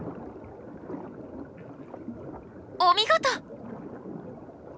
お見事！